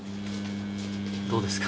どうですか？